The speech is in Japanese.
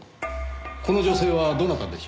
この女性はどなたでしょう？